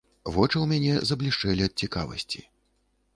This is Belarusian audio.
Вочы ў мяне заблішчэлі ад цікавасці.